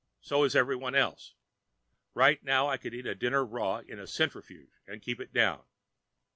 So is everybody else. Right now I could eat a dinner raw, in a centrifuge, and keep it down.